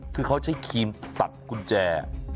คือเขาใช้ครีมตัดกุญแจ